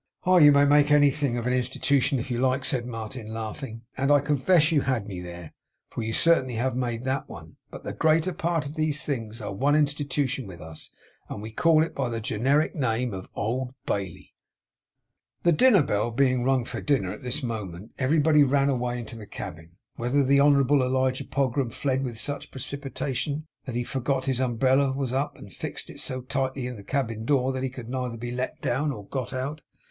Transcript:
'Oh! you may make anything an Institution if you like,' said Martin, laughing, 'and I confess you had me there, for you certainly have made that one. But the greater part of these things are one Institution with us, and we call it by the generic name of Old Bailey!' The bell being rung for dinner at this moment, everybody ran away into the cabin, whither the Honourable Elijah Pogram fled with such precipitation that he forgot his umbrella was up, and fixed it so tightly in the cabin door that it could neither be let down nor got out.